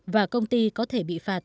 và công ty có thể bị phạt